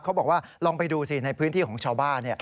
เขาบอกว่าลองไปดูสิในพื้นที่ของชาวบ้าน